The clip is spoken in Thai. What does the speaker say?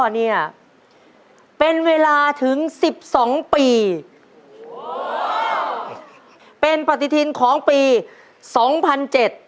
เนี่ยเป็นเวลาถึงสิบสองปีเป็นปฏิทินของปีสองพันเจ็ด